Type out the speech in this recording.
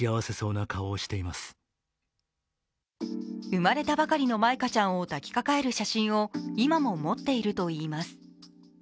生まれたばかりの舞香ちゃんを抱きかかえる写真を今も持っているといいます。